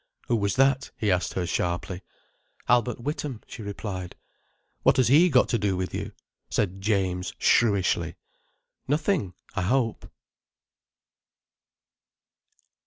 "Who was that?" he asked her sharply. "Albert Witham," she replied. "What has he got to do with you?" said James shrewishly. "Nothing, I hope."